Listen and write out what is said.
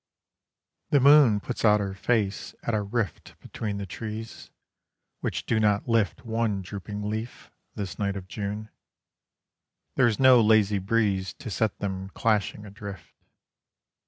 II The moon puts out her face at a rift between the trees, Which do not lift one drooping leaf, this night of June. There is no lazy breeze to set them clashing adrift.